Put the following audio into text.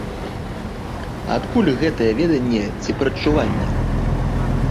Адкуль гэтае веданне ці прадчуванне?